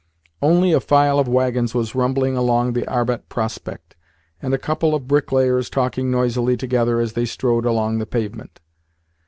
Only a file of waggons was rumbling along the Arbat Prospect, and a couple of bricklayers talking noisily together as they strode along the pavement.